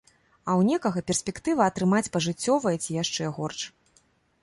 А ў некага перспектыва атрымаць пажыццёвае ці яшчэ горш.